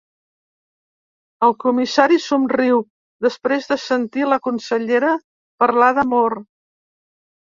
El comissari somriu, sorprès de sentir la consellera parlar d'amor.